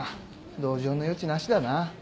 同情の余地なしだな。